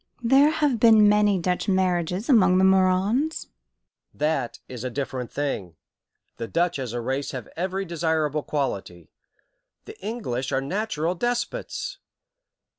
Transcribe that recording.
"There have been many Dutch marriages among the Morans." "That is a different thing. The Dutch, as a race, have every desirable quality. The English are natural despots.